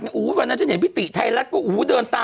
ลิ้นชายหาทใหญ่ด้วยเธอ